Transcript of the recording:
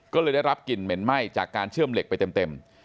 ก็เลยได้รับกลิ่นเหม็นไหม้จากการเชื่อมเหล็กไปเต็ม